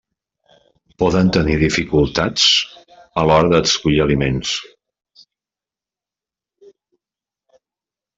Poden tenir dificultats a l'hora d'escollir aliments.